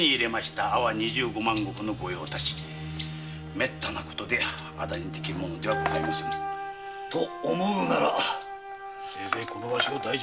めったなことで徒にできることではございません。と思うならせいぜいこのわしを大事にすることだ。